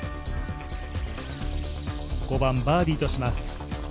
５番バーディーとします。